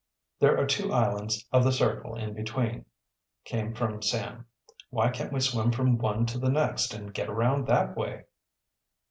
"There are two islands of the circle in between," came from Sam. "Why can't we swim from one to the next and get around that way?"